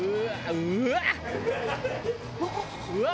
「うわっ！」